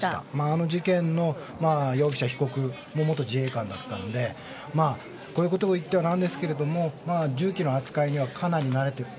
あの事件の容疑者・被告も元自衛官だったのでこういうことを言ってはなんですけども銃器の扱いにはかなり慣れている。